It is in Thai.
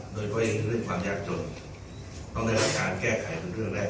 โดยก็ยังคือเรื่องความยากจนต้องได้การแก้ไขเป็นเรื่องแรก